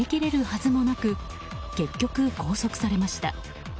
はずもなく結局、拘束されました。